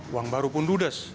uang baru pun dudes